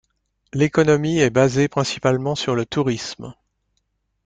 L'économie est basée principalement sur le tourisme.